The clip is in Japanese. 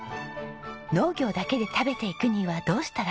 農業だけで食べていくにはどうしたらいいか。